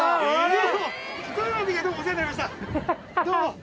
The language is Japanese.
どうも。